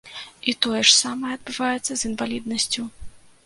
І тое ж самае адбываецца з інваліднасцю.